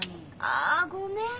あごめん！